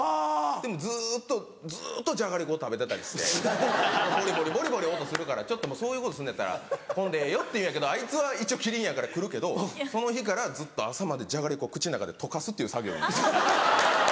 でもずっとずっとじゃがりこ食べてたりしてボリボリボリボリ音するからそういうことすんのやったら来んでええよって言うんやけどあいつは一応麒麟やから来るけどその日からずっと朝までじゃがりこ口の中で溶かすっていう作業。